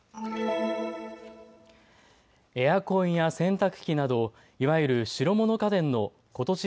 エアコンや洗濯機などいわゆる白物家電のことし